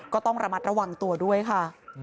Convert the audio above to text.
ก็ต้องระมัดระวังตัวด้วยค่ะ